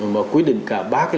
mà quyết định cả ba lĩnh vực